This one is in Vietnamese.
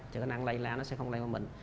cho cái năng lây ra nó sẽ không lây vào mình